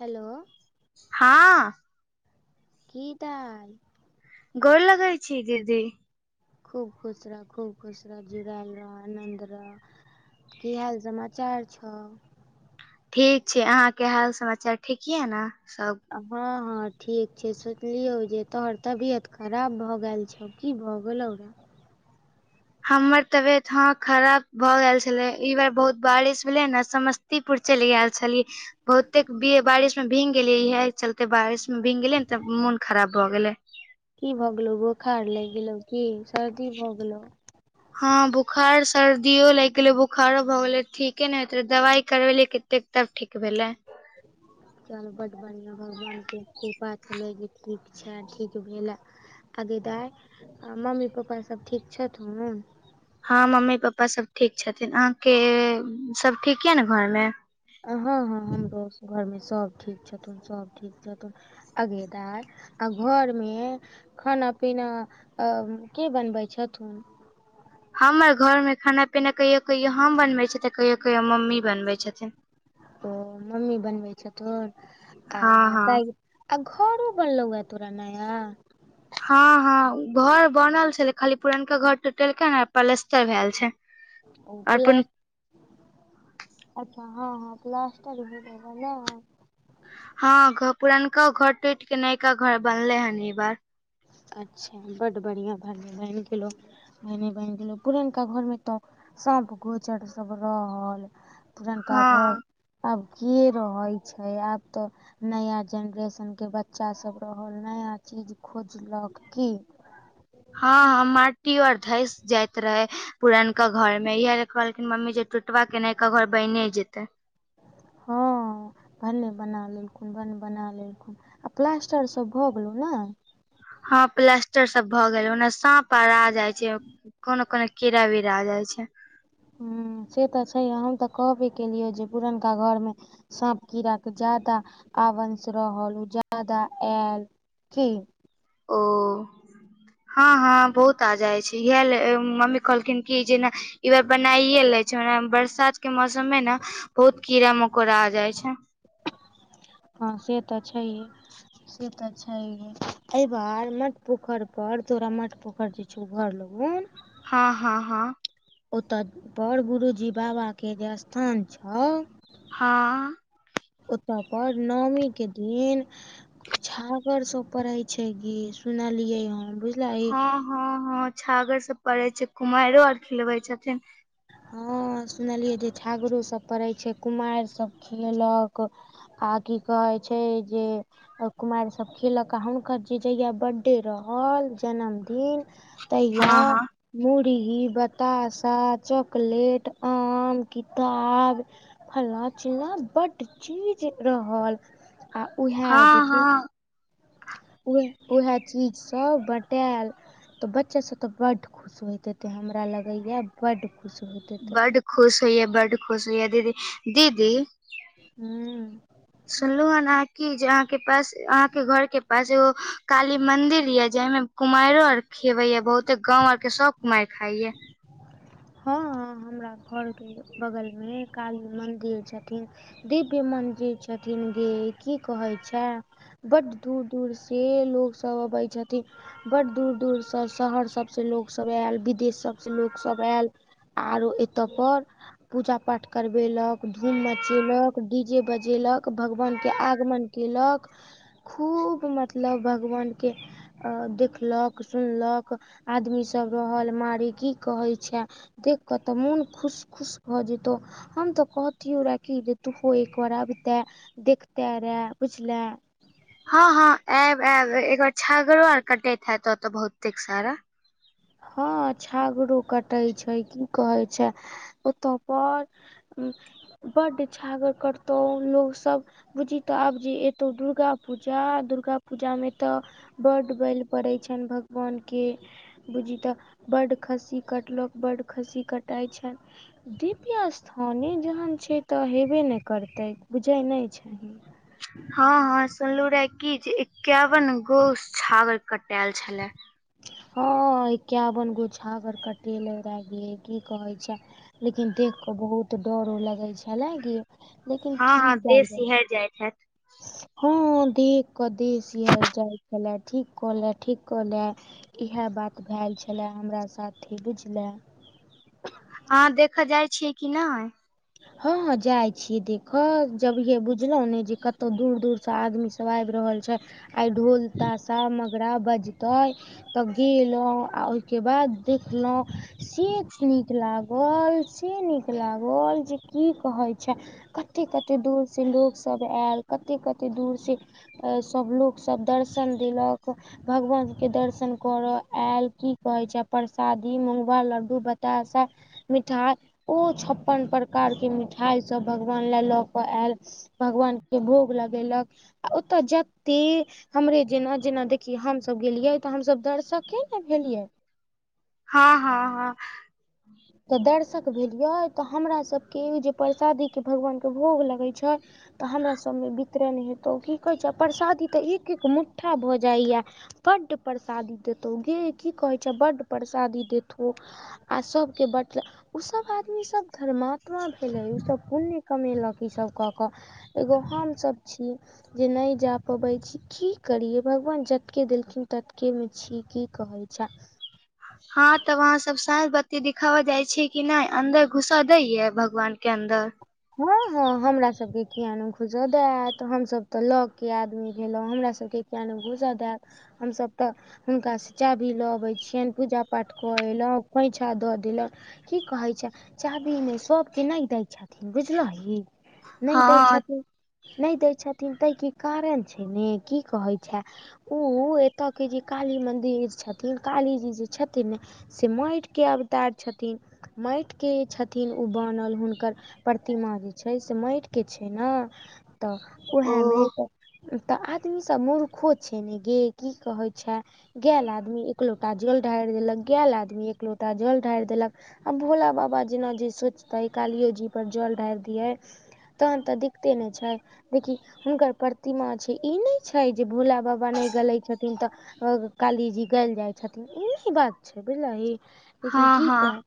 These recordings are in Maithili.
हेलो हँ की दाल गोर लगै छी, दीदी खूब खुश रह' खूब खुस रह' जुरेल रह' आनंद रह' की हाल सम चारज छओ, ठीक छै, अहाँके हाल समाचार ठीक यए न, सब हँ - हँ ठीक छै, सोचलियौ जे तोहर तबियत खराब भए गेल छो। की भऽ गेल गेलो, हमर तबियत ह खराब भए गेल छले, ई बार बहुत बारिश भेले ने समस क्तीपुर चइल ऐल छलियै बहुतेक बारिश में भींग गेलेैए ई हे चलते। ते बारिश मे भीग गेले ने तऽ मन खराब भऽ गेले, की भऽ गेलौ बोखार लगि गेलो की सर्दी भऽ गेलो। हँ बुखार सर्दियो लागि गेलै, बुखारो भए गेले ठीके ने होेत रहे दवाई करबे एतेक तब ठीक भेलै। ह [inaudible] चल बड्ड बढ़िआँ भगवानके कृपा छलय जे ठीक छै, ठीक भेलय। आगे दाई मम्मी पप्पा सब ठीक छथुन, हँ मम्मी पप्पा सब ठीक छथिन अहाँके सब ठीक यऽ ने घर मे। हँ- हँ हमरो घरमे सभ ठीक छथुन सभ ठीक छथुन। अगेदाइ आ घरमे खाना पीना अ कें बनबै छथुन। हमर घर मे खाना पीना कहियो -कहियो हम बनबै छ कहियो - कहियो मम्मी बनबै छथिन। ओ मम्मी बनबै छथुन आ हँ हँ दइ आ घरो बनलौ हे तोरा नया हँ -हँ घर बनल छैले खाली पुरनका घर टूटेलके ने पलस्तर भेल छै। आओर ओपला पुन अच्छा हँ -हँ पालस्टर भेलोह नइ हँ पुरनका घर टुट के नयका घर बनले हन ई बार अच्छा बड बढ़िआँ भए गेलो [inaudible] ने ने बढ़िया देल पुरनका घर मे तऽ साँप गोचर सब रहल, पुरनका हँ घर आब के रहै छै, आब त नया जेनरेशनके बच्चासभ रहल नया चीज खोजलक की, हँ -हँ माटी ओ धस जाइत रहे। पुरनका घर मे इएह ल कहलखिन मम्मी जे टूटबा केना एक घर बने जेते, हँ भन्ने बना लेलखुन, भन्नने बना लेलखुन आ प्लास्टर सब भग गेलहु नय, हँ प्लस्टर सब भए गेल ओने साँप आ जाइ छै। कोनो -कोनो कीड़ा वीरा आ जाइ छै। ह से त छयहै हम तऽ कहबे केलियै जे पुरनका घरमे साँप कीड़ा के ज्यादा आवंश रहल ओ ज्यादा आयल। की ओ। ह -ह बहुत आ जाइ छी इहे ले मम्मी कहलखिन कि जेना। इ बेर बनाइे ले छै ओना बरसात के मौसम मे न बहुत कीड़ा मकोड़ा आ जाय छै। ह से त छहिय। से तऽ छहिय ए बार मट पोखर पर तोरा मट पोखर। [unintelligible] ह-ह-ह ओतय बड़ गुरूजी बाबाके जे स्थान छओ। ह ओत पर नओमी के दिन छागर सब पड़े छै गै सुनलियै ह ह-ह-ह छागर सब पड़े छै कुमायरों आ खिलबै छथिन। हँ सुनलियै जे छागरोसभ पड़ैत छै कुमारि सभ खेलक आ की कहे छै जे कुमारिसभ खयेलक आ हुनकर जे जहिया बर््थडे रहल जन्मदिन तहिया हँ हँ मुढ़ी बताशा च प्लेट आम किताब फल्ला चिलला बडड चीज रहल आ उह हँ जे हँ ओ उएह चीजसभ बँटायल त बच्चा सब ते बड खुश होयतेते हमरा लगे या बड खुश होे। बड खुश होइया बड खुश होइया दीदी दीदी। हम्म सुनलहु हेन अहाँ की जे अहाँके पास अहाँके घर के पाछु काली मन्दिर य जाहिमे कुमारि आर खेवेया बहुते गांव आर के सब कुमारि खाइये। हँ-हँ हमराकहलखिन्ह बगलमे काली मन्दिर छथिन। दिव्य मंदिर छथिन गी की कहै छै। ब्ट दूर दूर से लोग सब अबे छथिन। बड़ दूर दूरसँ शहर सबसँ लोक सब विदेश सबसँ लोक सब आएऽल। आरो एतऽपर पूजा पाठ करबेलक धूम मचेलक डी जे बजेलक भगवान के आगमन केलक खूब मतलब भगवान् के अ देख देखलक सुनलक आदमी सब रहल मारे की कहै छै। देख कऽ तऽ मोन खुश खुश भऽ जेतउ। हम त कहीतियोरेकी जे तूहो एकबार अबते देखते रे बुझलें। हँ हँ आयब आयब एकबार छागड़ो और कटैत हैत ओतऽ बहुते सारा हँ छागड़ो कटेछै की कहैं छै। ओतपर हुंम बड्ड छागर कततौ लोकसब बुझीतऽ आबजे एतौ दुर्गा पूजा दुर्गा पूजामें तऽ बड्ड बलि पड़यछइन भगवानके बुझी तऽ बड खस्सी कटलक बड्ड खस्सी कटाइ छनि। दीव्य स्थाने जहनछय तऽ हेबे न करतय बुझैनहि छही। हँ हँ सुनलहु रहे की जे एकावन गोस छागर कटायल छले। हँ का एकाबन गोछागर कटेलेरे की कहयं छैं। लेकिन देखकऽ बहुत डरो लगय छलेगे लेकिन हँ की हँ देश केलजे सिहर जाइत हेत। हँ देखकऽ देह सिहेर जाइ छले ठीककहले ठीककहले। इहे बात भैल छलै, हमरा साथे बुझलै। अहाँ देखऽ जाइ छियै कि नहि हँ-हॅं जाय छीय देख, जबहिये बुझलहु ने जे कतौ दूर-दूर स आदमी सब आबि रहल छय आई ढोल-ताशा-मगरा बजतै तऽ गेलों आ ओय के बाद देखलहुं, से नीक लागल-से नीक लागल जे की कहय छै, कते-कते दूरसँ लोकसब ऐल कते-कते दूरसें अ सब लोकसब दर्शन देलक भगवानके दर्शन करऽ आयल की कहैय छै, प्रसादी मुगंबा लड्डू, बताशा मिठाइ ओ छप्पन प्रकारके मिठाइ सब भगवान ले लऽ कऽ ऐल भगवान के भोग लगेलक, आ ओतऽ जते हमरे जेना-जेना देखिही, हमसब गेलियै तऽ हमसब दर्शके ने भेलियै हँ-हँ-हँ तऽ दर्शक भेलियै, त हमरा सबके ओ जे परसादीके भगवानके भोग लगय छय तऽ हमरासब मे वितरण हेतौ की कहयछै, प्रसादी तऽ एक एक मुठ्ठा भऽ जाययैं। बड्ड प्रसादी देतौ गे की कहय छै, बड्ड परसादी देथौ आ सब के बटला उसब आदमीसब धर्मात्मा भेलय, उसब पुण्य कमेलक ईसब कऽ कऽ एगो हमसब छी। जे नहि जा पबय छी, की करियै भगवान जतके देलखिन, ततके मे छी की कहय छैए। हँं तब अहाँ सब सांझ बात्ती दिखाबऽ जाइ छियै की नहि, अन्दर घुसऽ दैये भगवान के अन्दर हँ-हँ हमरा सबके किये नहि घुसऽदैत हमसब तऽ लगके आदमी भेलहुं हमरा सबके किये नहि घुसऽदैत हमसब तऽ हुनका सँ चाभी लऽअबय छियेन, पूजापाठ कऽअयलहुँ खोँइछा दऽ देल की कहय छैए चाभी नहि, सब के नहि थिन बुझलही नहि हँ दयछथिन। नहि दै छथिन तहिके कारण छय ने, की कहै छैए उ एतऽ के जे कालीमन्दिर छथिन, कालीजी जे छथिन ने से माटिके अवतार छथिन, माटिके छथिन ओ बनल हुनकर प्रतिमा जे छय से माटिके छै न, तऽ ओ उएहमे त तऽ आदमी सब मूर्खो छै ने गे की कहै छैए गैल आदमी एकलो टा जल ढा़रि देलक, गैलआदमी एकलोटा जल ढा़रि देलक आ भोलाबाबा जेनाजे सोचतय, कालीयो जी पर जलढा़रि दियै तहन तऽ दिक्कते न छय। देखि हुनकर प्रतिमा छै, ई नहि छै जे भोला बाबा नहि गलै छथिन तऽ हँ ग काली जी गैल जाय छथिन, ई नही बात छै बुझलही लेकिन हँ की हँ कह,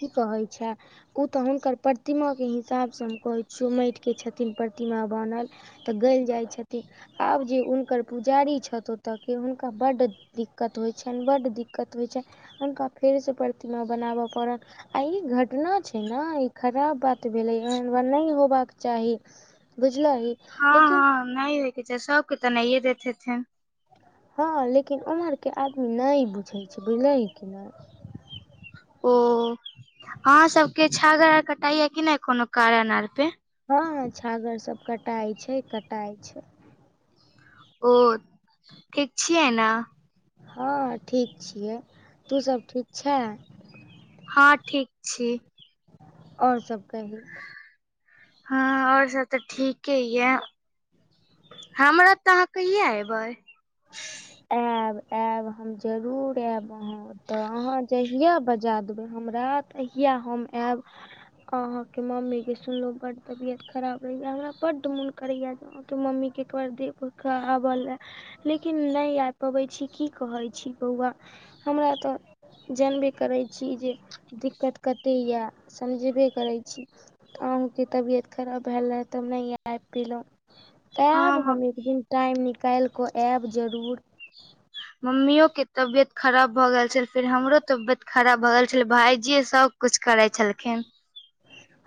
की कहै छैए उ तऽ हुनकर प्रतिमा के हिसाब स न कहै छिऔ, मैट के छथिन प्रतिमा बनल। त गैल जाइत छथि, आब जे हुनकर पुजारी छथ ओतऽ हुनका बडु दिक्कत होय छैन, बड्ड दिक्कत होय छैन। हुनका फेर सँ प्रतिमा बनाबऽ पड़ल, आ ई घटना छै न ई खराब बात भेलेै, एहन बा नहि होबाक चाही बुझलही। लेकिन हँ-हँ नहि देखय छियै, सबके तऽ नहिये दैत हेथिन। हँ लेकिन ओम्हर के आदमी नहि बुझै छै बुझलही कि ने। ओ अहा सब के छागर आर कटाइया कि नैय कोनो कारण आर पे। हँ छागर सब कटाय छैय कटाय छैय। ओ ठीक छियै न। हँ ठीक छियै तू सब ठीक छे। हँ ठीक छी। और सब कही। हँ और सब तऽ ठीके याऽ हमरा एतऽ आहाँ कहिया एबै। एयब -एयब हम जरूर एयब अहाँ तऽ अहाँ जहिया बजा देबै हमरा तहिया हम एयब। हाँ के मम्मी के सुनलो बड तबियत खराब रहैया हमरा बड मन करैया मम्मी के एक बार दे भूखा आबऽ लऽ लेकिन नैय अैब पबै छी की कहै छी बौआ हमरा तऽ जानबे करै छी जे दिक्कत कतेक याऽ समझबे करै छी। अहूँ के तबियत खराब भेला रहै तऽ नहि अैब पेलों। एब हँ हम एक दिन टाइम निकैल कऽ एब जरूर। मम्मीयो के तबियत खराब भऽ गेल छेलै फेर हमरो तबेत खराब भऽ गेल छेलेै भायजीये सब। कुछ करै छेलखिन।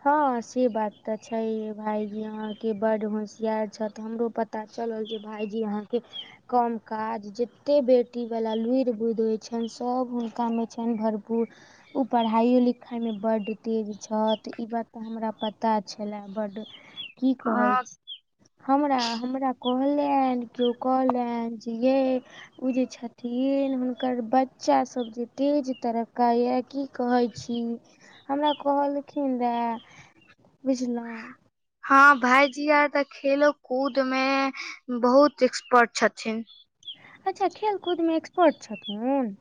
हँ से बात तऽ छैय भायजी आहाँ के बड होशियार छैय हमरो पता पता चलल जे भायजी अहाँके कम काज जते बेटीवला लुुर बुइध होय छैन सब हुनकामे छैन भरपूर। ओ पढ़ाइयो लिखाइमे बड तेज छैथ। तऽ ई बात तऽ हमरा पता छेला बड की कहै हँ छी। हमरा-हमरा कहलैन कियो कहलैन जे येै ओ जे छथिन हुनकर बच्चा सब जे तेज तरक्का ये की कहै छी हमरा कहलखिन रहए बुझलौ। हँ भाईजी आर तऽ खेलो कूद मे बहुत एक्सपर्ट छथिन। अच्छा खेल कूद मे एक्सपर्ट छथुन।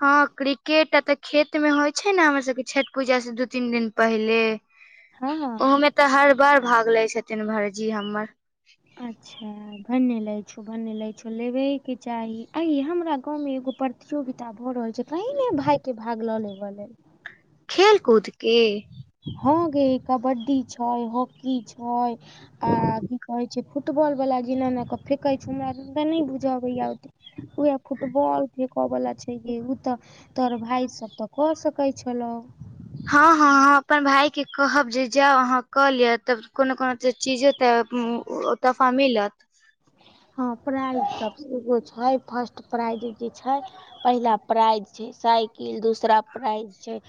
हँ क्रिकेट अ तऽ खेत में होय छैय ने हमर सबके छठ पूजा से दू तीन दिन पहिले। हँ। ओहोमे तऽ हर बार भाग लेै छथिन भायजी हमर। अच्छा भने ले छौ भने ले छो लेबे के चाही अैयै हमरा गाँव में एगो पर प्रतियोगिता भऽ रहल छै कही ने भाय के भाग लऽ लेबऽ लेल। खेल कूदके। हँ गै कबड्डी छैय हॉकी छैय आ की कहै छैय फुटबॉल वला एनना के फेकै छैय हमरा नैय बुझयऽ आबै ये ओते। उहे फुटबॉल फेकऽ वला छैेय गे उ तऽ। तोहर भाय सब तऽ कऽ सकै छेलौ। हँ हँ। हम अपन भाइके कहब जे जाउ आहाँ कऽ लिअ तऽ कोनो -कोनो चीजो तऽ। तोहफा मिलत हँ प्राइज तऽ एगो छैय फर्स्ट प्राइज जे छैय। पहिला प्राइज छैय साइकिल दूसरा प्राइज छैय।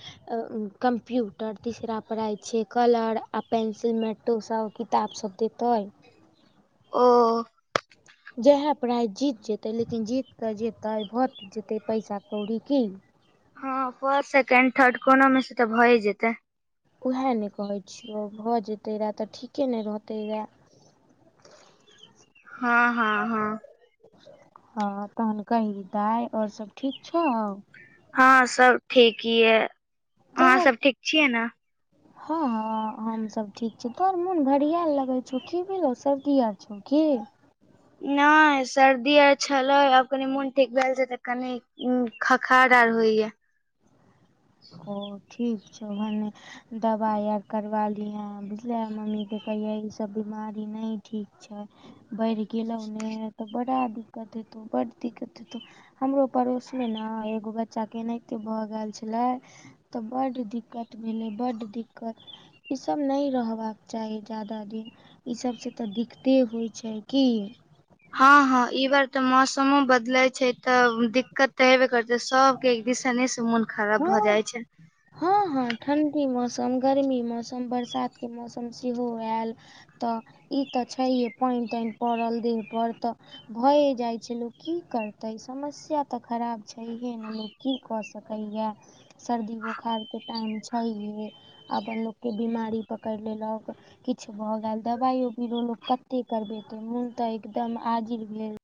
कम्प्यूटर तीसरा प्राइज छैय कलर आ पेंसिल मेटो सभ किताब सब देतै। ओ, जेह प्रायज जीत जेतै, तै लेकिन जीततै जेतै, भऽत जेतै पैसा कौड़ी, की, हँ, फर्स्ट -सेकेंड- थर्ड, कोनो मे स तऽ भऐ जेतै, उएह नए कहैय छियौ, भऽ जतै रहए तऽ ठीके नहि रहतै रहए। हँ -हँ -हँ, हँ, तहन कहहि दाय, ओर सब ठीक छौ, हँ, सब ठीक यै, अहाँ सब ठीक छीयै ने, ह हँ- हँ, हमसब ठीक छी, तोहर मोन भरियाल लगै छौ, की भेलौ, सर्दी आर छौ की, नहि, सर्दी आर छलै, आब कनि मोन ठीक भेल छै, तऽ कनी खखार आर होय्या, ओ, ठीक छौ, भने दवाइ आर करवा लीहे, बुझले, मम्मी के कहिये, ई सब बीमारी नै ठीक छै, बढ़ि गेलहु ने, तऽ बड़ा दिक्कत हेतौ, बड दिक्कत हेतौ, हमरो पड़ोस मे न, एगो बच्चा के एनाहिते भ गेल छले, तऽ बड दिक्कत भेलै, बड दिक्कत ई सब नहि रहबाक चाही जादा दिन, ई सबसँ तऽ दिक्कते होइ छै, की, हँ- हँ, ई बार तऽ, मौसमो बदले छै, तऽ दिक्कत तऽ हेबे करते, सबके एक दिसने से मोन खराब भ हँ जाय छै, हँ -हँ, ठण्डी मौसम, गर्मी मौसम, बरसातके मौसम, सेहो आयल, तऽ, ई तऽ छैहे, पैन तैन पड़ल देह पर तऽ भऐ जाइ छै, लोकग की करतै, समस्या तऽ खराब छैहे ने, लोक की कऽ सकैए, सर्दी बोखारके टाइम छैहे, अपन लोकके बिीमारी पकड़ि लेलक, किछ भऽ गेल, दबाइयो बीरो लोक कतेक करबेतै, मोन तऽ एकदम आजिर भेल